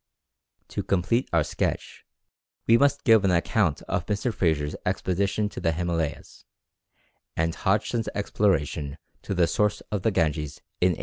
To complete our sketch, we must give an account of Mr. Fraser's expedition to the Himalayas, and Hodgson's exploration to the source of the Ganges, in 1817.